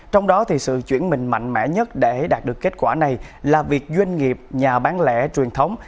trong đó thì sự chuyển mình mạnh mẽ nhất để đạt được kết quả này là việc doanh nghiệp nhà bán lẻ truyền thống